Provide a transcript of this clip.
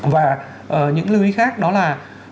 và những lưu ý khác đó là